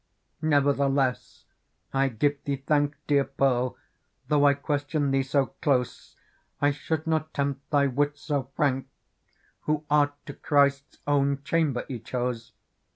Digitized by Google PEARL 39 " Never the less I give thee thank, Dear Pearl, though I question thee so close. I should not tempt thy wit so frank. Who art to Christ's own chamber y chose.